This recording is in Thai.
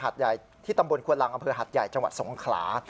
ที่ตำบลควณรังอำเภอหัดใหญ่จังหวัดสงครา